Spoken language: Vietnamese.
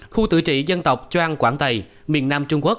khu tự trị dân tộc trang quảng tây miền nam trung quốc